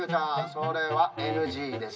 それはＮＧです。